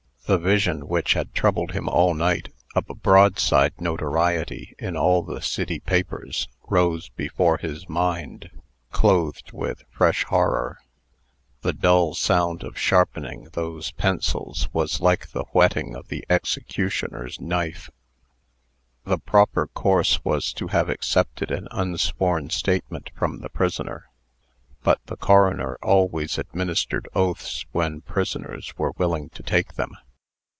The vision which had troubled him all night, of a broadside notoriety in all the city papers, rose before his mind, clothed with fresh horror. The dull sound of sharpening those pencils was like the whetting of the executioner's knife. The proper course was to have accepted an unsworn statement from the prisoner; but the coroner always administered oaths when prisoners were willing to take them.